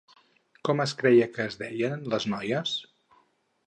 Com es creia que es deien les noies?